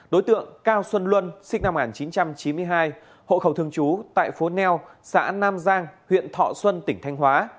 đối tượng cao xuân luân sinh năm một nghìn chín trăm chín mươi hai hộ khẩu thường trú tại phố neo xã nam giang huyện thọ xuân tỉnh thanh hóa